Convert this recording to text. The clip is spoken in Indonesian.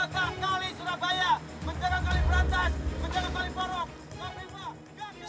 menjaga kali surabaya menjaga kali perantas menjaga kali porok